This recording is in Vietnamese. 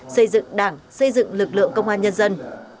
xây dựng đảng xây dựng lực lượng công an nhân dân